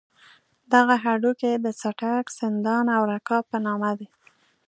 دغه هډوکي د څټک، سندان او رکاب په نامه دي.